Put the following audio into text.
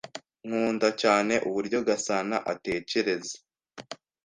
Nkunda cyane uburyo Gasana atekereza.